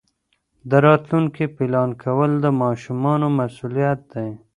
د راتلونکي پلان کول د ماشومانو مسؤلیت دی.